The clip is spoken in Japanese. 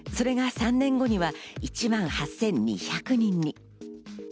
それが３年後には１万８２００人に。